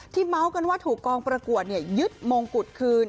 เมาส์กันว่าถูกกองประกวดยึดมงกุฎคืน